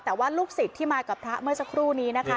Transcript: แต่ว่าลูกศิษย์ที่มากับพระเมื่อสักครู่นี้นะคะ